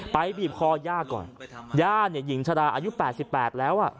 บีบคอย่าก่อนย่าเนี่ยหญิงชะลาอายุ๘๘แล้วอ่ะ